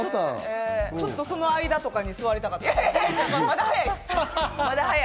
ちょっとその間とかに座りまだ早い。